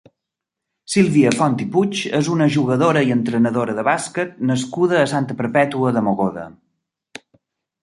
Sílvia Font i Puig és una jugadora i entrenadora de bàsquet nascuda a Santa Perpètua de Mogoda.